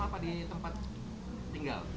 atau di tempat tinggal